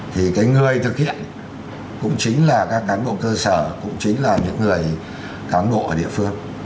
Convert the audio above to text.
thì cái người thực hiện cũng chính là các cán bộ cơ sở cũng chính là những người cán bộ ở địa phương